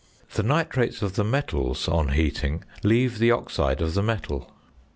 The nitrates of the metals, on heating, leave the oxide of the metal.